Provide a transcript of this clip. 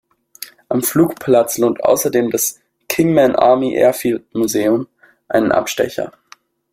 Am Flugplatz lohnt außerdem das "Kingman Army Airfield Museum" einen Abstecher.